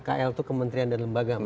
kl itu kementerian dan lembaga